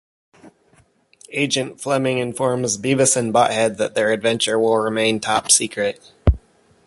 Agent Flemming informs Beavis and Butt-Head that their adventure will remain top secret.